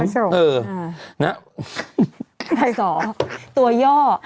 พระสองตัวย่อ